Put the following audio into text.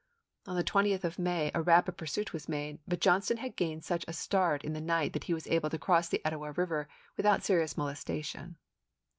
On the 20th of May a rapid men?p.ek pursuit was made, but Johnston had gained such a start in the night that he was able to cross the Etowah River without serious molestation.